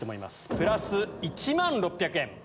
プラス１万６００円。